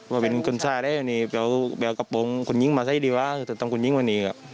ครับเป็นคนชายได้วันนี้ไปเอากระโปรงคุณยิงมาซะดีวะทำคุณยิงวันนี้ครับ